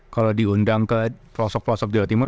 kalau diundang ke pelosok pelosok jawa timur